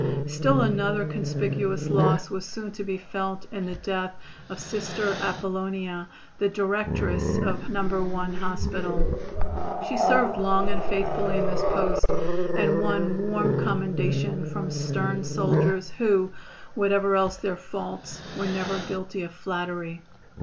Still another conspicuous loss was soon to be felt in the death of Sister Appollonia, the directress of "No. 1 Hospital." She served long and faithfully in this post and won warm commendation from stern soldiers, who, whatever else their faults, were never guilty of flattery.